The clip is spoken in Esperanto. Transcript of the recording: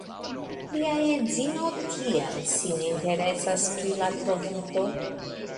Lia edzino tiel sin interesas pri la trovito.